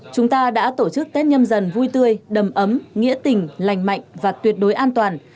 chúng ta đã tổ chức tết nhâm dần vui tươi đầm ấm nghĩa tình lành mạnh và tuyệt đối an toàn